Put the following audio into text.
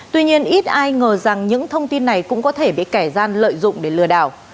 tuy nhiên ít ai ngờ rằng những thông tin này cũng có thể bị kẻ gian lợi dụng để lừa đảo